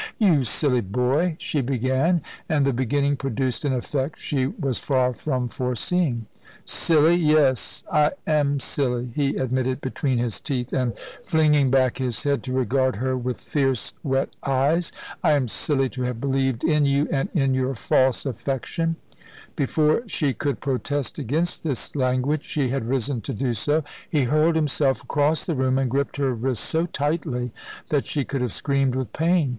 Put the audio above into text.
"You silly boy," she began, and the beginning produced an effect she was far from foreseeing. "Silly! Yes, I am silly," he admitted between his teeth, and flinging back his head to regard her with fierce, wet eyes. "I am silly to have believed in you and in your false affection"; before she could protest against this language she had risen to do so he hurled himself across the room, and gripped her wrists so tightly that she could have screamed with pain.